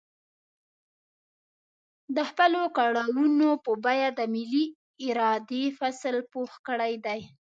د خپلو کړاوونو په بيه د ملي ارادې فصل پوخ کړی دی.